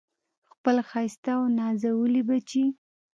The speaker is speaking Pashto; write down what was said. خپل ښایسته او نازولي بچي